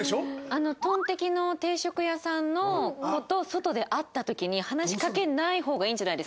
あのトンテキの定食屋さんの子と外で会った時に話しかけない方がいいんじゃないですか？